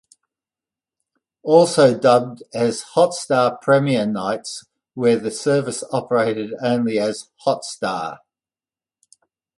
Also dubbed as Hotstar Premiere Nights where the service operated only as "Hotstar".